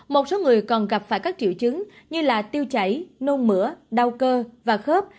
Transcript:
một số người còn gặp phải các triệu chứng như tiêu chảy nôn mửa đau cơ và khớp